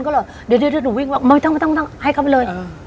ก็เลยเดี๋ยวหนูวิ่งว่าไม่ต้องไม่ต้องให้เขาไปเลย